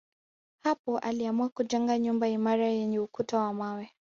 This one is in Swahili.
Hapo aliamua kujenga nyumba imara yenye ukuta wa mawe